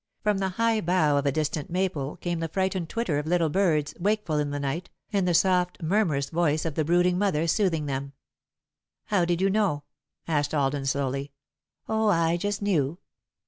From the high bough of a distant maple came the frightened twitter of little birds, wakeful in the night, and the soft, murmurous voice of the brooding mother, soothing them. "How did you know?" asked Alden, slowly. "Oh, I just knew.